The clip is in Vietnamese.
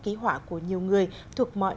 ký họa của nhiều người thuộc mọi